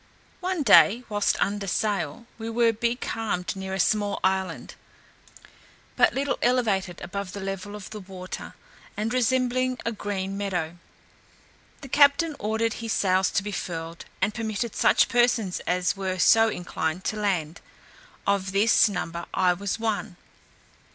One day, whilst under sail, we were becalmed near a small island, but little elevated above the level of the water, and resembling a green meadow. The captain ordered his sails to be furled, and permitted such persons as were so inclined to land; of this number I was one.